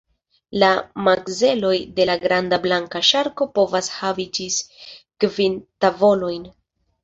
La makzeloj de la granda blanka ŝarko povas havi ĝis kvin tavolojn.